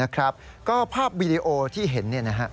เออนะครับก็ภาพวิดีโอที่เห็น